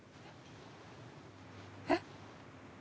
えっ？